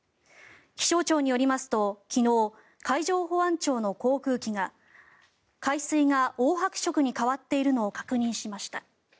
気象庁によりますと昨日海上保安庁の航空機が海水が黄白色に変わっているのを確認しました。